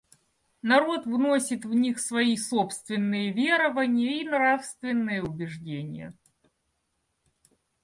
Народ вносит в них свои собственные верования и нравственные убеждения.